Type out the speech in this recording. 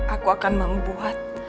aku akan membuat